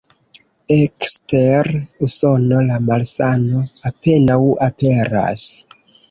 Ekster Usono, la malsano apenaŭ aperas.